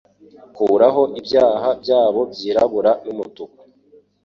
Kuraho ibyaha byabo byirabura n'umutuku